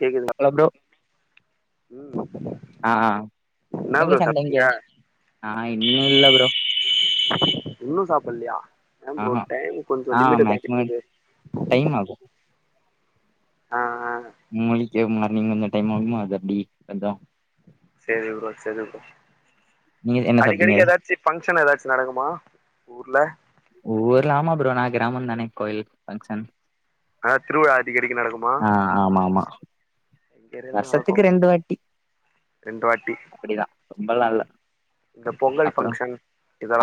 கேக்குதுங்களா hello bro ஆ ஆ ம் என்ன நீங்க ப்ரோ சாப்ட்டீங்க சந்தைங்க நா இன்னு இல்ல ப்ரோ இன்னு சாப்புல்லையா ஏ ப்ரோ ஆஹா டைம் கொஞ்சொ ஆ லிமிட்ட தாண்டி மேக்சிமம் போது டைம் ஆகு ஆ ஆ உங்களிக்கு மார்னிங் வந்தா டைம் ஆகுமா அது அப்டி அப்தா சரி ப்ரோ சரி ப்ரோ நீங்க என்ன சாப்ட்டீங்க அடிக்கடிக்கு எதாச்சு ஃபங்க்ஷன் எதாச்சு நடக்குமா ஒ ஊர்ல ஊர்ல ஆமா ப்ரோ நா கிராமம்தானே கோயில் ஃபங்க்ஷன் அதா திருவிழா அடிக்கடிக்கு நடக்குமா ஆ ஆமா ஆமா எறெதுலா நடக்கு வருஷத்துக்கு ரெண்டு ரெண்டு வாட்டி இப்டிதா ரொம்பல்லா இல்ல இந்த பொங்கல் அப்றோ ஃபங்க்ஷன்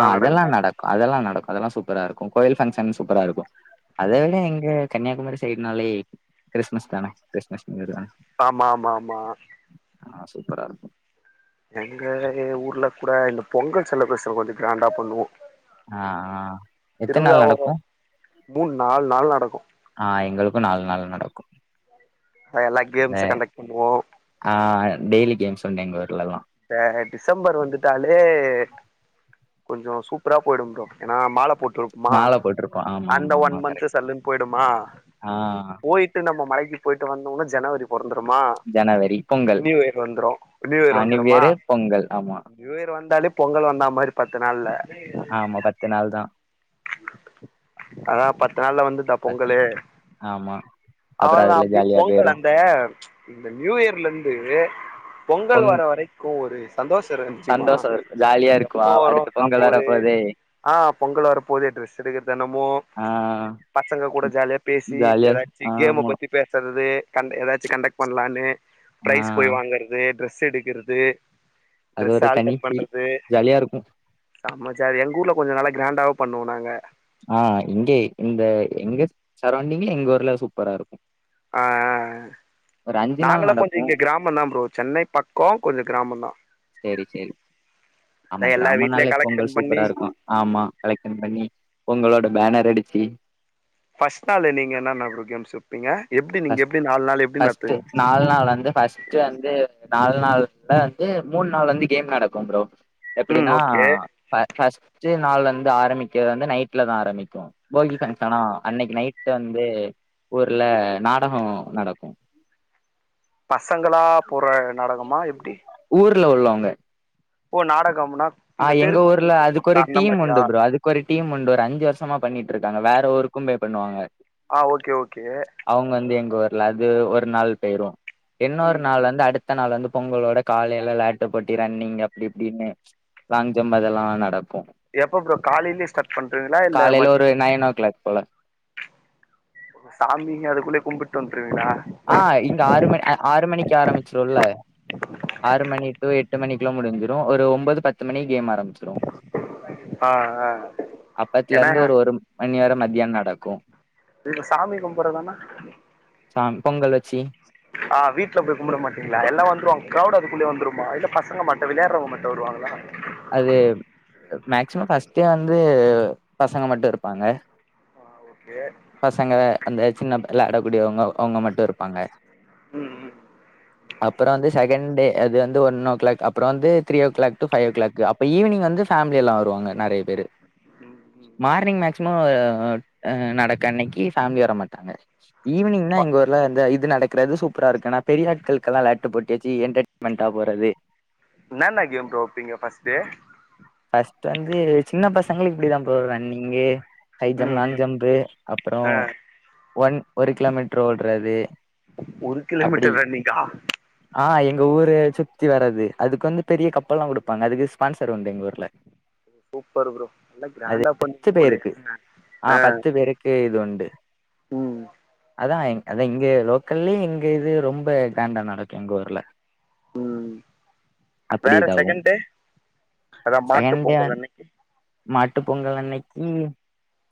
ஆ அதெல்லா நடக்குமோ நடக்கு அதெல்லா நடக்கு அதெல்லா சூப்பரா இருக்கு கோயில் ஃபங்க்ஷன் சூப்பரா இருக்கு அதே விட ம் எங்க கன்னியாகுமரி சைட்னாலே கிறிஸ்மஸ் தானே கிறிஸ்மஸ் மாரி தான ஆமா ஆமா ஆமா ஆ சூப்பரா இருக்கு எங்க ஊர்ல கூட இந்த பொங்கல் செலப்ரேஷன் கொஞ்சோ க்ராண்டா பண்ணுவோ ஆ ஆ எத்து நாள் திருவிழாவோ நடக்கு மூணு நாலு நாள் நடக்கு ஆ எங்களுக்கு நாலு நாள் நடக்கு அ எல்லா கேம்ஸு கண்டக்ட் பண்ணுவோ ஆ டெய்லி கேம்ஸ் உண்டு எங்க ஊர்லல்லா த டிசம்பர் வந்துட்டாலே கொஞ்சோ சூப்பரா போயிடும் ப்ரோ ஏனா மால போட்ருப் போமா மால போட்ருப்போ ஆமா அந்த ஆமா ஒன் ஆமா மந்த் கரெக்ட் சல்லுன்னு போய்டுமா ஆ போயிட் டு நம்ம மலைக்கு போயிட்டு வந்தோன ஜனவரி பொறந்துருமா ஜனவரி நியூ இயர் வந்துரு நியூ இயர் வந்துரும் நியர் பொங்கல் ஆமா நியூ இயர் வந்தாலே பொங்கல் வந்தா மாரி பத்து நாள்ல ஆமா பத்து நாள்தா அதா பத்து நாள்ல வந்துதா பத்து பொங்கல் நாள் ஆமா அப்புறோ அவளோதா அதுல அப்டியே ஜாலியா பொங்கல் போயிரு அந்த இந்த நியூ இயர்லருந்து பொங்கல் பொங் வர வரைக்கு ஒரு சந்தோஷ இரு தெரியுமா சந்தோஷோ இருக்கு ஜாலியா இருக்கு எப்போ வாவ் வரும் அடுத்து சாப்ப பொங்கல் வர ஒரு போதே ஆ பொங்கல் வரப் ஒரே ட்ரெஸ் எடுக்கறதோ என்னமோ ஆ பசங்க கூட ஜாலியா பேசி ஜாலியா ஏதாச்சி கேம் ஆ ஆமா பத்தி பேசுறது கண் ஏதாச்சும் கண்டக்ட் பண்ணலனு ஆ பிரரைஸ் போய் வாங்கறது ட்ரெஸ் எடுக்குறது அது ட்ரெஸ் ஒரு தனி ஆல்டர் ஃபீல் பண்றது ஜாலியா இருக்கு செம்ம ஜாலி எங்க ஊர்ல கொஞ்ச நல்லா கிராண்டாவே பண்ணுவோ நாங்க ஆ இங்கே இந்த எங்க சரௌண்டிங்ல எங்க ஊர்ல சூப்பரா இருக்கு ஆ ஒரு அஞ்சு நாள் நாங்களும் கொஞ்சம் நடக்கு இங்க கிராம ம தா ப்ரோ சென்னை பக்கம் கொஞ்ச கிராமந்த செரி செரி ஆமா எல்லா வீட்லயு கிராமன்னாலே கலெக்ஷன் பொங்கல் பண்ணி சூப்பரா இருக்கு ஆமா கலெக்ஷன் பண்ணி பொங்களோட பேனர் அடிச்சு பர்ஸ்ட் நாள் நீங்க என்னன்ன ப்ரோ கேம்ஸ் வைப்பீங்க எப்படி நீங்க ஃபஸ்ட் எப்படி நாலு நாள் எப்படி ஃபஸ்ட்டு நடத்துங்க நாலு நாள் வந்து ஃப் ஸ்ட் வந்து நாலு நாள்ல வந்து மூணு நாள் வந்து கேம் நடக்கும் ப்ரோ ம் எப்படின்னா ஓகே ப பஸ்ட் நாள் வந்து ஆரம்பிக்கத வந்து நைட்ல தா ஆரம்பிக்கு போகி பங்க்ஷனா அன்னைக்கு நைட் வந்து ஊர்ல நாடகம் நடக்கும் பசங்களா போற நாடகமா எப்படி ஊர்ல உள்ளவங்க ஓ நாடகம்னா ஆ இந்த எங்க ஊர்ல தெருக்கூத்துன்னு அதுக்கு ஒரு சொல்லுவாங்கல்ல அந்த டீம் மாரியா உண்டு ப்ரோ அதுக் ஒரு டீம் உண்டு ஒரு அஞ்சு வருஷமா பண்ணிட்டு இருக்காங்க வேற ஊருக்கும் பே பண்ணுவாங்க ஆ ஓகே ஓகே அவங்க வந்து எங்க ஊர்ல அது ஒரு நாள் போயிரும் ம் இன்னொரு நாள் வந்து அடுத் அத்த நாள் வந்து பொங்கலோட காலையல்ல லேட்டா போட்டி ரன்னிங் அப்டி இப்டின்னு லாங் ஜம்ப் அதெல்லா நடக்கு எப்ப ப்ரோ காலையிலயே ஸ்டார்ட் பண்றீவீங்களா இல்ல காலையில மதிய ஒரு நைன் ஓ கிளாக் போல சாமி அதுக்குள்ளயே கும்புட்டு வந்துருவீங்களா ஆ இங்க ஆறு மணி அ ஆறு மணிக்கு ஆரம்பிச்சுருள ஆறு மணி டு எட்டு மணிக்குள்ளா முடிஞ்சிடும் ஒரு ஒன்பது பத்து மணிக்கு கேம் ஆரம்பிச் ஆ ஆ அப்பத்துல ஏன்னா இருந்து ஒரு ஒரு மணி வர மத்தியானம் நடக்கு இதுல சாமி கும்பறதானா சாம் பொங்கல் வச்சி ஆ வீட்டுல போய் கும்பிட மாட்டீங்களா எல்லா வந்துருவாங்க கிரவுட் அதுக்குள்ளே வந்துரும இல்ல பசங்க மாட் விளையாறவங்க மட்டு வருவாங்களா அது மேக்சிமம் ஃபர்ஸ்டே வந்து பசங்க மட்டு இருப்பாங்க ஆ ஓகே பசங்க அந்த சின்ன விளையாடக் கூடியவங்க அவங்க மட்டு இருப்பாங்க ம் ம் அப்பற வந்து செகண்ட் டே அது வந்து ஒன் ஓ கிளாக் அப்பற வந்து three o'clock to five o'clock இப்ப ஈவினிங் வந்து ஃபேமிலி எல்லா வருவாங்க நெறைய பேரு ம் ம் மார்னிங் மேக்சிமம் நடக்க அன்னைக்கு ஃபேமிலி வர மாட்டாங்க ஈவினிங்னா ப எங்க ஊர்ல இந்த நடக்கிறது சூப்பராருக்கு ஆன பெரிய ஆட்களுக்குல்லா விலாட்டு போட்டி வச்சு என்டர்டெயின்மென்ட் ஆ போறது என்னென்ன கேம் ப்ரோ வைப்பீங்க ஃபர்ஸ்ட் டே ஃபர்ஸ்ட் வந்து சின்ன பசங்களுக்கு இப்டிதா ப்ரோ ரன்னிங்கு ஹை ஜம்ப் ம் லாங் ம் ஜம்ப்பு அப்றோ ஆ ஒன் ஒரு கிலோமீட்ரு ஓட்றது ஒன் கிலோமீட்டர் ரன்னிங்கா ஆ எங்க ஊரு சுத்தி வரது அதுக்கு வந்து பெரிய கப்பெல்லா குடுப்பாங்க அதுக்கு ஸ்பான்சர் உண்டு எங்க ஊர் ல சூப்பர் ப்ரோ நல்லா கிராண்டா பண்ணுவீங்க போலயே ஆ கே இது உண்டு ம் அதா அதா இங்க லோக் கல்லயு இங்க இது ரொம்ப கிராண்டா நடக்கு எங்கூர்ல ம் வேற செகண்டு செகண்டு மாட்டு பொங்கல் அன்னக்கி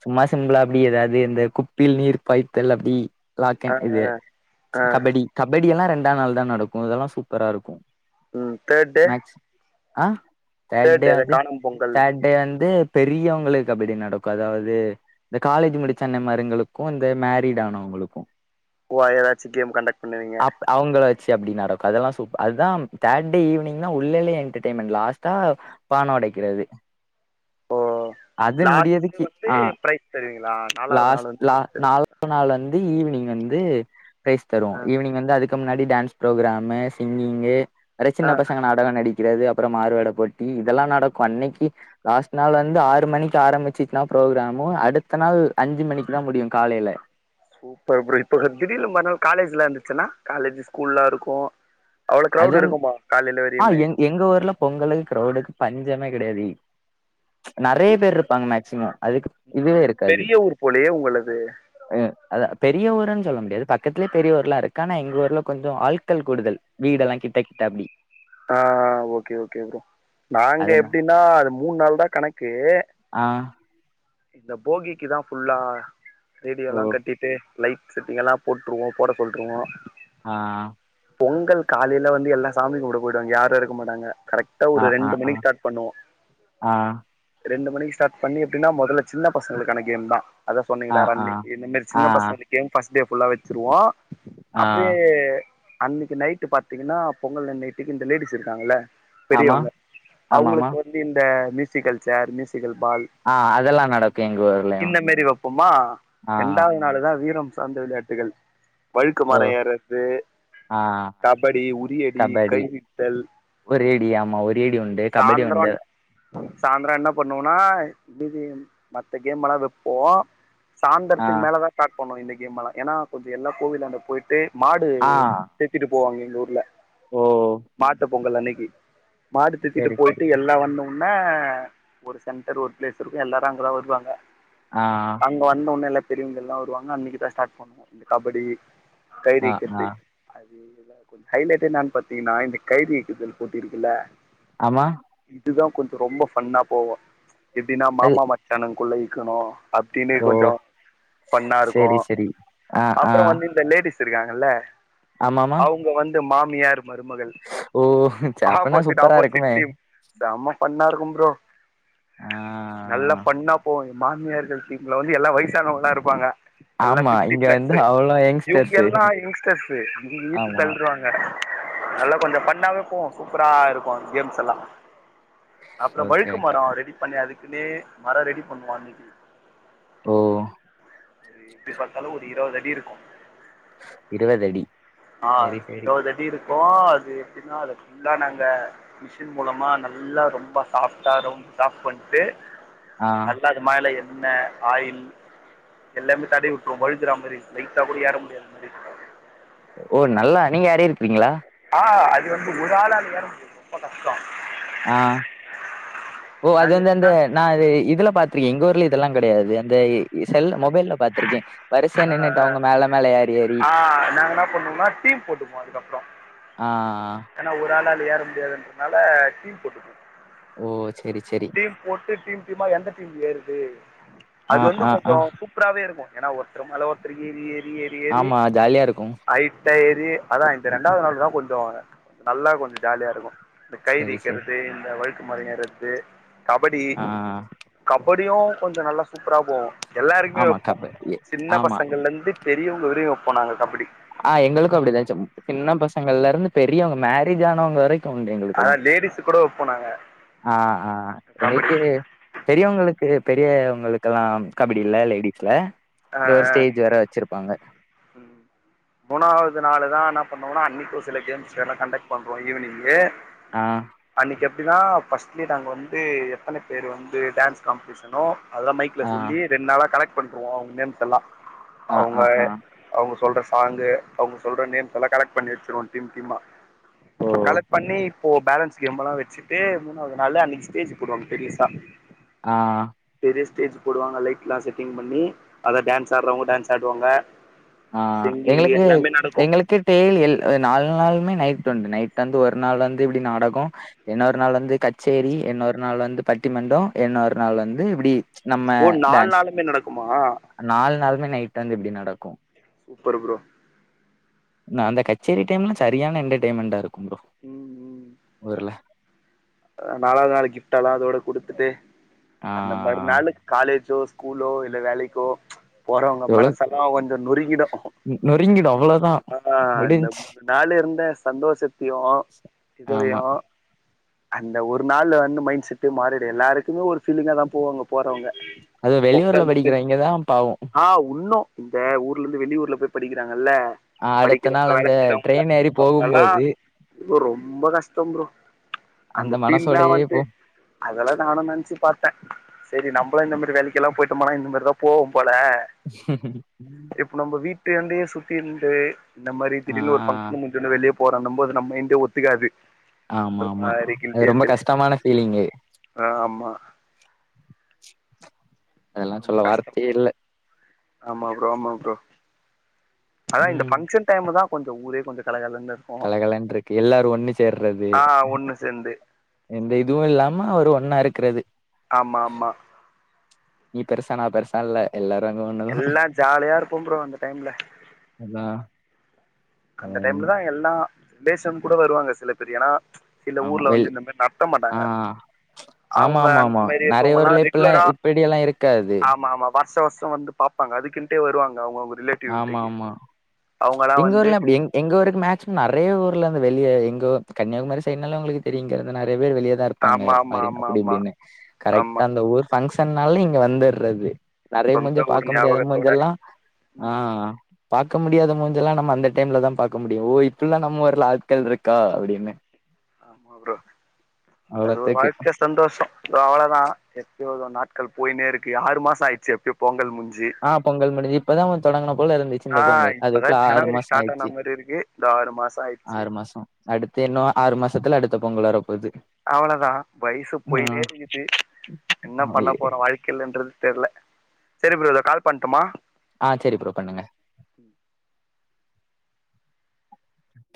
சும்மா சிம்பிளா அப்டி எதாது இந்த குப்பில் நீர் பாய்த்தல் அப்டி ஆ லாக்கன் இது ஆ ஆ கபடி கபடியெல்லா ரெண்டா நாள் தா நடக்கு இதெல்லா சூப்பராருக்கு ம் தேர்ட் டே மேக் ஆ தேர்ட் டே வந்து தேர்ட் டே வந்து பெரியோங்களுக்கு கபடி நடக்கு அதாவ்து இந்த காலேஜு முடிச்ச அண்ணேமாருங்ளுக்கு இந்த மேரிட் ஆனோங்ளுக்கு ஓ எதாச்சு கேம் கண்டெக்ட் பண்ணுவீங்க அவுங்கள வச்சு அப்டி நடக்கு அதெல்லா சூப்ப அதா தேர்ட்டே ஈவ்னிங்னா உள்ளளே என்டர்டெய்மெண்ட் லாஸ்ட்டா பான உடைக்கிறது ஓ அதுன் லாஸ்ட் முடியதிக்கி வந்து ஆ பிரைஸ் தருவீங்களா நாலாவது லாஸ்‌ நாள் வந்து லா பிரைஸ் தருவீங்களா நால் நாள் வந்து ஈவ்னிங் வந்து ப்ரைஸ் தருவோ ஈவ்னிங் வந்து அதுக் கு முன்னாடி டான்ஸ் ப்ரோக்ராமு சிங்கிங்கு நறைய சின்ன ஆ பசங்க நால் நடிக்கிறது அப்பறோ மாறுவேட போட்டி இதெல்லா நடக்கு அன்னக்கி லாஸ்ட் நாள் வந்து ஆறு மணிக்கி ஆரம்மிச்சிச்னா ப்ரோக்ராமு அடுத்த நாள் அஞ்சு மணிக்கு தா முடியு காலைல சூப்பர் ப்ரோ இப்ப திடீர்னு மற்நாள் காலேஜ்லா இந்துச்சுன்னா காலேஜு ஸ்கூல்லாருக்கு அவ்ளோ க்ரௌட் இருக்குமா காலைல வரியுமே எங்கூர்ல பொங்கலுக் க்ரௌடுக்கு பஞ்சமே கெடயாது நறைய பேர்ருப்பாங்க மேக்சிமோ அதுக்கு ம் இதுவே ம் இருக்காது பெரிய ஊர் போலயே உங்களது ஆ அதா பெரிய ஊருன் சொல்ல முடியாது பக்கத்லே பெரிய ஊர்லாருக்கு ஆனா எங்க ஊர்ல கொஞ்சோ ஆள்கள் கூடுதல் வீடெல்லா கிட்ட கிட்ட அப்டி ஆ ஓகே ஓகே ப்ரோ நாங்க அதுனா எப்டின்னா அது மூன் நாள் தா கணக்கு ஆ இந்த போகிக்கி தா ஃபுல்லா ஓ ரேடியோல்லா கட்டிட்டு லைட் செட்டிங் எல்லா போட்ருவோ போட சொல்ருவோ ஆ பொங்கல் காலைல வந்து எல்லா சாமி கும்ட போய்டுவாங்க யாரு இருக்க மாட்டாங்க கரெட் ட்டா ஆ ஒரு ஆ ரெண்டு ஆ மணிக்கு ஸ்டாட் பண்ணுவோ ஆ ரெண்டு மணிக்கி ஸ்டாட் பண்ணி எப்டின்னா மொதல்ல சின்ன பசங்களுக்கான கேம் தா அத ஆ சொன்னீங்ள ஆ ரன்னிங்கு இந்த மேரி ஆ சின்ன பசங்க கேம் ஃபஸ்ட் டே ஃபுல்லா வச்சுருவோ ஆ அப்டே அன்னக்கி நைட்டு பாத்தீங்கன்னா பொங்கலன் நைட்டுக்கு இந்த லேடிஸ் இருக்காங்கல்ல ஆமா பெரியவங்க ஆமாமா அவுங்களுக்கு வந்து இந்த மியூசிக்கல் சேர் மியூசிக்கல் பால் ஆ அதெல்லா நடக்கு எங்க ஊ இந்த மாரி வெப்போமா ரெண்டாவ்து நாள்தா வீரம் சார்ந்த விளையாட்டுகள் வழுக்கு ஓ மரோ ஏர்றது ஆ கபடி உறியடி கைவித்தல் உறியடி ஆமா உறியடி உண்டு கபடி உண்டு சாய்ந்தர என்ன பண்ணுவோன்னா மத்த கேம் எல்லா வப்போ ஆ சாந்தரத்துக்கு மேலதா ஸ்டாட் பண்ணுவோ இந்த கேம் எல்லா ஏன்னா கொஞ்சோ எல்லா கோவிலாண்ட போயிட்டு மாடு ஆ சேத்திட்டு போவாங்க எங்க ஊர்ல ஓ மாட்டு பொங்கல் அன்னைக்கு மாடு தித்திட்டு செரி செரி போயிட்டு எல்லா ஒண்ணு உன்னே ஒரு சென்டர் ஒரு பிளேஸ் இருக்கு எல்லாரு அங்கதா வருவாங்க ஆ ஆ அங்க வந்தவொன்னே எல்லா பெரியவங்க எல்லா வருவாங்க அன்னைக்குதா ஸ்டார்ட் பண்ணுவோ இந்த கபடி கயிறு ஆ ஆ இழுக்கது ஹைலைட்டே என்னானு பாத்தீங்கன்னா இந்த கயிறு இழுக்குதல் போட்டிருக்குல்ல ஆமா இதுதா கொஞ்சோ ரொம்ப ஃபன்னா போவு எப்டின்னா அது மாமா மச்சானுக்குள்ள இழ்க்கணு அப்டின்னு ஓ கொஞ்ச ஃபண்ணா சேரி இருக்கும் சேரி ஆ ஆ அப்புற வந்து இந்த லேடிஸ் இருக்காங்கல்ல ஆமாமா அவுங்க வந்து மாமியார் மருமகள் ஓ ச அப்பனா ஆப்போசிட் சூப்பரா ஆப்போசிட் இருக்குமே டீம் செம ஃபன்னா இருக்கு ப்ரோ ஆ நல்ல ஃபன்னா போவு மாமியார்கள் டீம்ல வந்து எல்லா வயிசானவங்களா இருப்பாங்க எல்லா ஆமா ஃபிஃப்டி இங்க வந்து ப்ளஸ்ஸு அவ்ளோ இவுங்க யங்ஸ்டர்ஸு எல்லா எங்ஸ்டர்ஸு இவுங்க இழ்த்து ஆமா தள்ருவாங்க நல்லா கொஞ்சோ ஃபன்னாவே போவு சூப்பரா இருக்கு கேம்ஸ் எல்லா அப்றோ ஓகே வழுக்கு ஓகே மரோ அப்ப ரெடி பண்ணி அதுக்குன்னே மரோ ரெடி பண்ணுவோ அன்னைக் ஓ எப்டி பாத்தாலு ஒரு இருவதடி இருக்கு இருவது அடி ஆ சேரி சேரி இருவதடி இருக் க்கு அது எப்டின்னா அத ஃபுல்லா நாங்க மிஷின் மூலமா நல்லா ரொம்ப சாஃப்டா ரொம் சாஃப்ட் பண்ட்டு ஆ [unintelligible] அது மேல எண்ண ஆயில் எல்லாமே தடவி உட்ருவோ வழுக்றா மாரி லைட்டா கூட ஏற முடியாத மாரி ஓ நல்லா நீங்க ஏறி இருக்குறீங்களா ஆ அது வந்து ஒரு ஆளா அது ஏற முடியாது ரொம்ப கஷ்டோ ஆ ஓ அது நாங்கள் வந்து அந்த எப்படின்னா நா அது இதுல பாத்துருக்கே எங்க ஊர்ல இதெல்லா கெடையாது அந்த செல் மொபைல்ல பாத்துருக்கே ஆ ஆ நாங்க என்ன பண்ணுவோன்னா டீம் போட்டுப்போ அதுக்கப்புற ஆ ஏன்னா ஒரு ஆளா அது ஏற முடியாதுன்றதுனால டீம் போட்டுப்போ ஓ சேரி சேரி டீம் போட்டு டீம் டீமா எந்த டீம் ஏறுது ஆ அது வந்து ஆ கொஞ்ச ஆ சூப்பராவே இருக்கும் ஏன்னா ஒருத்தரு மேல ஒருத்தரு ஏறி ஏறி ஏறி ஏறி ஆமா ஜாலியா இருக்கு ஹைட் டா ஏறி அதா இது ரெண்டாவது நாள் தா கொஞ்சோ நல்லா கொஞ்சோ ஜாலியா இருக்கும் இந்த கயிறு சேரி சேரி இழுக்கறது இந்த வழுக்குமரோ ஏர்றது கபடி ஆ ஆ கபடியும் கொஞ்ச நல்லா சூப்பரா போவு ஆமா கப ஏ சின்ன பசங்கள்ல இருந்து பெரியவங்க வரையு இப்போ நாங்க கபடி ஆ எங்களுக்கும் அப்டிதா ச சின்ன பசங்கள்ல இருந்து பெரியவங்க மேரேஜ் ஆனவங்க வரைக் க்கு உண்டு எங்களுக்கெல்லா அதான் லேடிஸ் கூட வைப்போம் நாங்க ஆ ஆ கபடி எங்களுக்கு பெரியவங்களுக்கு பெரியவங்களுக்கெல்லா கபடியில்ல லேடிஸ்ல இந்த ஒரு ஸ்டேஜ் வேற வச்சிருப்பாங்க ம் மூணாவுது நாளு தா என்ன பண்ணுவனா அன்னைக்கு சில கேம்ஸ் வேர்லா கண்டெக்ட் பண்ணுறோ ஈவினிங்கு ஆ அன்னைக்கி எப்டினா ஃபர்ஸ்ட்லியே நாங்க வந்து எத்தன பேர் வந்து டேன்ஸ் காம்படிஷனோ அதலா மைக்ல ஆ சொல்லி ரெண்டு நாளா கலெக்ட் பண்ருவோ அவுங்க நேம்ஸ் எல்லா ஆ அவுங்க ஆ ஆ அவுங்க சொல்ற சாங்கு அவுங்க சொல்ற நேம்ஸ் எல்லா கலெக்ட் பண்ணி வெச்சிருவோ டீம் டீமா ஓ கலெக்ட் பண்ணி போ பேலன்ஸ் கேம்மல்லா வெச்சிட்டு மூணாவ்து நாள்ல அன்னைக்கு ஸ்டேஜ் போடுவாங்க பெரிய்சா ஆ பெரிய ஸ்டேஜ் போடுவாங்க லைட்ல்லா செட்டிங் பண்ணி அத டான்ஸ் ஆட்றவங்க டேன்ஸ் ஆடுவாங்க ஆ சிங்கிங் எங்களுக்கு எல்லாமே நடக்கும் எங்களுக்கு டே ல் எல் அந்த நாள் நாளுமே நைட் உண்டு நைட் வந்து ஒரு நாள் வந்து இப்டி நாடகோ இன்னோர் நாள் வந்து கச்சேரி இன்னோர் நாள் வந்து பட்டிமண்டோ இன்னோர் நாள் வந்து இப்டி ஓ நால் நாளுமே நடக்குமா நால் நாளுமே நைட்டு வந்து இப்டி நடக்கு சூப்பர் ப்ரோ நா அந்த கச்சேரி டைம்லா சரியான என்டர்டெய்ன்மெண்டா இருக்கு ப்ரோ ஊர்ல நாலாவுது நாளு கிப்ட் எல்லா அதோட குடுத்துட்டு ஆ அந்த மாரி நாளு காலேஜோ ஸ்கூலோ இல்ல வேலைக்கோ போறவங்க மனசல்லா கொஞ்சோ நொறுங்கிடு நொறுங்கிடு அவ்ள அ ஆ இந்த மூண் நாள் இருந்த சந்தோஷத்தையு இதையு ஆமா. அந்த ஒரு நாள்ல வந்து மைண்ட் செட்டு மாறிடு எல்லாருக்குமே ஒரு ஃபீலிங்கா தா போவாங்க போறவங்க அது வெளியூர்ல பொங்கல் முடிஞ்சு படிக்கிறவைங்க தான் பாவம். ஆ உன்னு இந்த ஊர்ல இருந்து வெளிய ஊர்ல போய் படிக்கிறாங்கல்ல அடுத்த படிக்கிறவங்க நாள் வேல அந்த செய்யறவங்கல்ல ட்ரெயின் ஏறி அவ்ங்கல்லா போகும்போது ரொம்போ கஷ்டம் ப்ரோ அந்த ஃபீல்ல மனசோடயே வந்து போம். அதெல்லா நானு நெனைச்சு பாத்தே செரி நம்ளு இந்த மாரி வேலைக்கெல்லா போயிட்டோமானா இந்த மாரிதா போவோம் போல இப்ப நம்ம வீட்டாண்டையே சுத்தி இருந்து இந்த மாரி ஆ திடீர்னு ஒரு ஃபங்க்ஷன் மு ட்டுனு வெளிய போறோன்னும் போது நம்ப என்டு ஒத்துக்காது ஆமா ஒரு ஆமா மாரி அது கில்ட்டியா ரொம்ப ஃபீல் ஆயிடு கஷ்டமான ஃப்லிங்கு ஆமா அதெல்லா ரொம்ப சொல்ல கஷ்டம் வார்த்தையே இல்ல ஆமா ப்ரோ ஆமா ப்ரோ அதா இந்த ம். ஃபங்க்ஷன் டைம்ல தா கொஞ்ச ஊரே கொஞ்ச கலகலன்னு இருக்கு கலகலன்ட்ருக்கு எல்லாரு ஒண்ணு சேர்றது ஆ ஒண்ணு சேந்து எந்த இதுவு இல்லாம அவரு ஒன்னா இருக்கிறது ஆமா ஆமா நீ பெருசா நா பெருசா இல்ல எல்லாரு அங்க ஒன்னு எல்லா ஜாலியா இருக்கும் பரோ அந்த டைம்ல அதா அந்த டைம்லதா எல்லா ரிலேஷன் கூட வருவாங்க சில பேர் ஏனா சில ஆமா. ஊர்ல வெள் வந்து இந்த மாரி நடத்த மாட்டாங்க ஆ. ஆமா அவுங்க அந்த மாரி இருக்கவங்கல்லா ரெகுலரா இப்டி எல்லா இருக்காது மாமா வருஷ வருஷ வந்து பாப்பாங்க அதுக்கின்டே வருவாங்க அவுங்க அவுங்க ரிலேட் ஆமா ஆமா எங்க வந்து ஊர்ல அப்டி எங் எங்க ஊக்கு மேக்சிமம் நெறைய ஊர்லந்து வெளிய எங்கோ கன்னியாகுமரி சைட்னால உங்களுக்கு தெரியங்கிறது நெறைய பேர் வெளிய தா இரு பாங்கா ஆமா ஆமா மாரி ஆமா அப்டி ஆமா இப்டினு ஆமா கரெக்டா அந்த ஒரு ஃபங்க்ஷன்னாலு இங்க வந்தற்றது நெறைய மூஞ்ச சொந்த ஊர் பாக்க முடியாத ஞாபகத்தோட முஞ்செல்லா ம் ம் அ பாக்க முடியாத மூஞ்செல்லா நம்ம அந்த டைம்ல தா பாக்க முடியு ஓ இப்பல்லா நம்ம ஊர்ல ஆட்கள் இருக்கா அப்டின்னு ஆமா ப்ரோ அது ஒரு அவ்வளோத்துக்கு. வாழ்க்க சந்தோஷோ அவ்ளதா எப்பயோ ஏதோ நாட்கள் போய்னே இருக்கு ஆறு மாச ஆயிட்ச்சி எப்யோ பொங்கல் முஞ்சி ஆ பொங்கல் முடிஞ்சு இப்பதான் தொடங்குன போல இருந்துச்சு இந்த ஆ பொங்கல். இப்பதா அதுக்குள்ள ஜனவரி மாசம் ஸ்டாட் ஆயிடுச்சு. ஆன மாரி இருக்கு த ஆறு மாச ஆய்ர்ச்சி ஆறு மாசோ அடுத்து என்னவோ ஆறு மாசத்துல அடுத்த பொங்கல் வரப்போது அவளதா வயசு ஆ போயினே இருக்குது என்ன பண்ண போறோ வாழ் க்கல்ன்றது தெர்ல செரி ப்ரோ இதுல கால் பண்ட்டுமா ஆ செரி ப்ரோ பண்ணுங்க